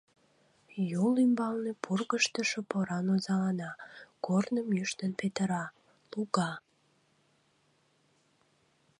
Юл ӱмбалне пургыжтышо поран озалана, корным ӱштын петыра, луга.